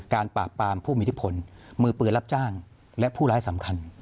การปราบปรามผู้มีที่ผลมือเปลือนรับจ้างและผู้ร้ายสำคัญ